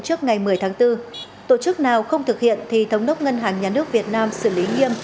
trước ngày một mươi tháng bốn tổ chức nào không thực hiện thì thống đốc ngân hàng nhà nước việt nam xử lý nghiêm